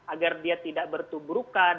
agar dia tidak bertuburkan